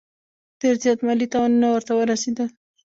ډېر زیات مالي تاوانونه ورته ورسېدل.